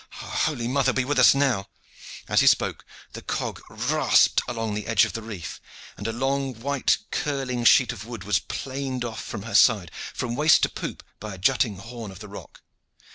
"Ah, Holy Mother, be with us now!" As he spoke the cog rasped along the edge of the reef, and a long white curling sheet of wood was planed off from her side from waist to poop by a jutting horn of the rock.